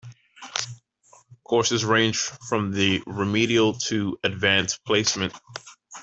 Courses range from the remedial to Advanced Placement.